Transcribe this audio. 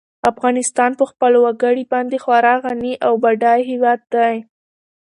افغانستان په خپلو وګړي باندې خورا غني او بډای هېواد دی.